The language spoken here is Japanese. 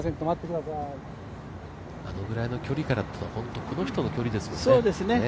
あのぐらいの距離からだと本当に、この人の距離ですからね。